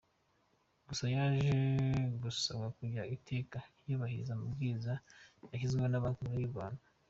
Gusa yaje gusabwa kujya iteka yubahiriza amabwiriza yashyizweho na Banki Nkuru y’u Rwanda.